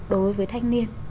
đối với thanh niên